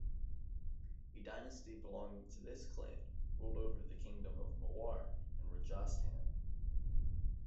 A dynasty belonging to this clan ruled over the kingdom of Mewar in Rajasthan.